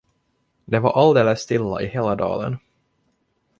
Det var alldeles stilla i hela dalen.